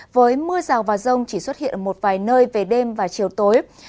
với mưa rào và rông chỉ xuất hiện một vài